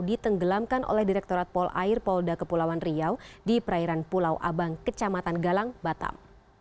ditenggelamkan oleh direktorat polair polda kepulauan riau di perairan pulau abang kecamatan galang batam